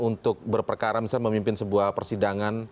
untuk berperkara misalnya memimpin sebuah persidangan